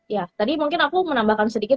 ya tadi mungkin aku menambahkan sedikit